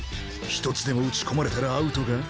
１つでも撃ち込まれたらアウトか？